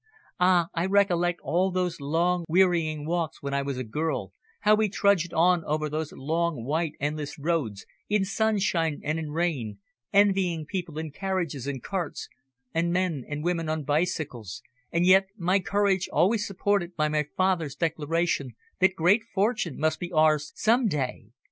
"Ah, I recollect all those long wearying walks when I was a girl, how we trudged on over those long, white, endless roads, in sunshine and in rain, envying people in carriages and carts, and men and women on bicycles, and yet my courage always supported by my father's declaration that great fortune must be ours some day.